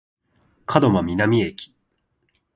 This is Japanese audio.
門真南駅